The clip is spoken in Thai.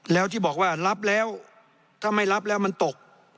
แล้วที่บอกว่ารับแล้วถ้าไม่รับแล้วมันตก